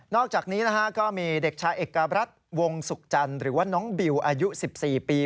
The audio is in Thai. อกจากนี้นะฮะก็มีเด็กชายเอกรัฐวงศุกร์จันทร์หรือว่าน้องบิวอายุ๑๔ปี